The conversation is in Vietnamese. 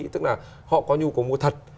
tức là họ có nhu cầu mua thật